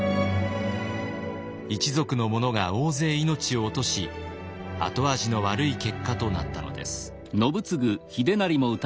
一族の者が大勢命を落とし後味の悪い結果となったのです。